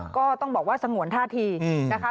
ก็ต้องบอกว่าสงวนท่าทีนะคะ